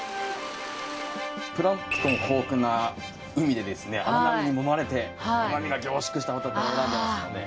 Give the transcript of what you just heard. プランクトン豊富な海で荒波に揉まれて旨味が凝縮したほたてを選んでますので。